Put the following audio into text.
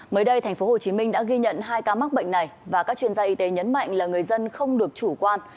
mới đây tp hcm đã ghi nhận hai ca mắc bệnh này và các chuyên gia y tế nhấn mạnh là người dân không được chủ quan